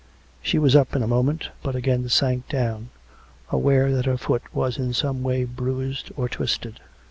She was up in a mo ment, but again sank down, aware that her foot was in some way bruised or twisted.